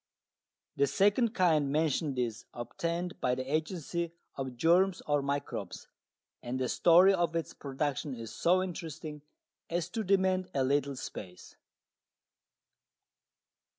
The second kind mentioned is obtained by the agency of germs or microbes, and the story of its production is so interesting as to demand a little space.